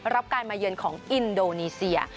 รับการมาเยือนของอินโดนีเซีย